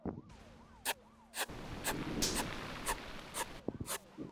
Sabun mar siling’ apar be nitie?